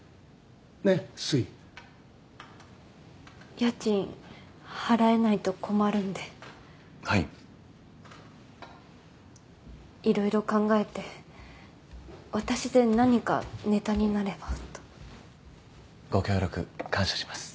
家賃払えないと困るんではいいろいろ考えて私で何かネタになればとご協力感謝します